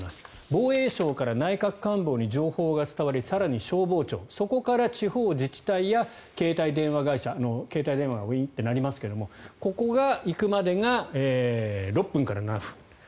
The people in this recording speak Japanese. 防衛省から内閣官房に情報が伝わり更に消防庁、そこから地方自治体や携帯電話会社携帯電話がウィーンって鳴りますがここに行くまでが６分から７分。